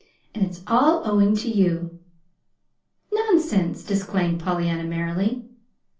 And it's all owing to you." "Nonsense!" disclaimed Pollyanna, merrily.